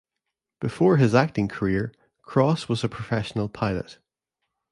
Before his acting career, Cross was a professional pilot.